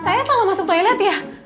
saya selalu masuk toilet ya